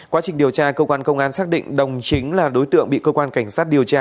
quá trình điều tra công an công an xác định đồng chính là đối tượng bị công an cảnh sát điều tra